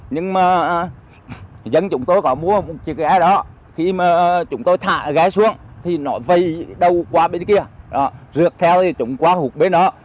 nhưng mà dân chúng tôi có mua một chiếc ghe đó khi mà chúng tôi thả ghe xuống thì nó vây đầu qua bên kia rượt theo thì chúng qua hút bên đó